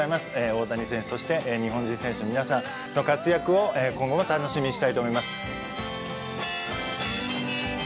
大谷選手そして日本人選手の皆さんの活躍を今後も楽しみにしたいと思います。